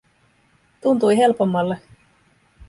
Tuntui helpommalle.